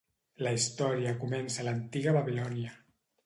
La història comença a l'antiga Babilònia.